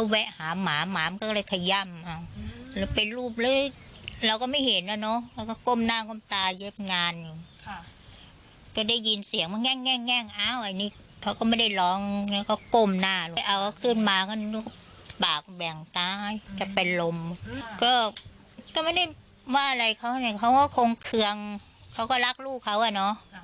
ว่าอะไรเขาเนี่ยเขาก็คงเคืองเขาก็รักลูกเขาอ่ะเนาะ